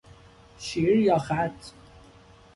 شیر یا خط؟